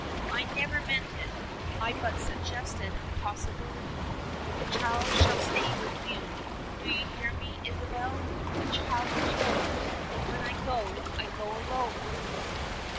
"I never meant it. I but suggested a possibility. The child shall stay with you. Do you hear me, Isabel! The child is yours! When I go, I go alone!"